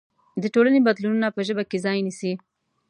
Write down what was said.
د ټولنې بدلونونه په ژبه کې ځای نيسي.